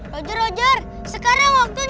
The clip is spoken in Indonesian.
chu rujer rujer sekarang waktunya